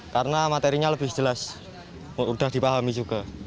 karena materinya lebih jelas mudah dipahami juga